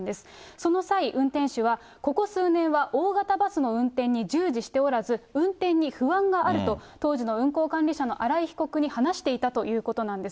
その際、運転手は、ここ数年は大型バスの運転に従事しておらず、運転に不安があると、当時の運行管理者の荒井被告に話していたということなんです。